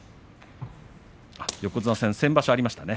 横綱戦、先場所ありましたね。